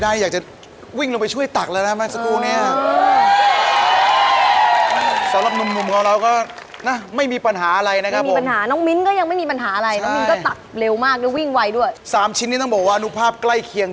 ทีชื่อมินที่ทางมีต้องให้คนเลือกเอง